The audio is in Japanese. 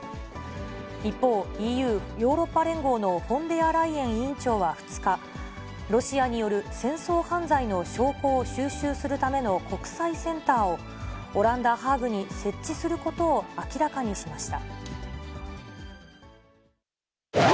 一方、ＥＵ・ヨーロッパ連合のフォンデアライエン委員長は２日、ロシアによる戦争犯罪の証拠を収集するための国際センターを、オランダ・ハーグに設置することを明らかにしました。